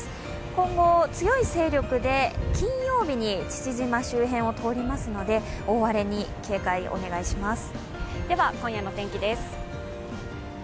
今後、強い勢力で金曜日に父島周辺を通りますので大荒れに警戒をお願いします。